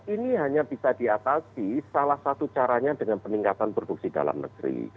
ini hanya bisa diatasi salah satu caranya dengan peningkatan produksi dalam negeri